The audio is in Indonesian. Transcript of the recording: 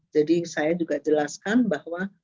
jadi saya juga jelaskan bahwa